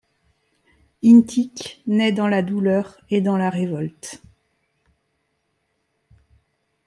Intik naît dans la douleur et dans la révolte.